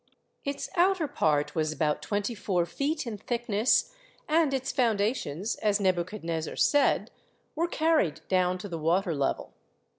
Its outer part was about twenty four feet in thickness, and its foundations, as Nebuchadnezzar said, were carried down to the water level.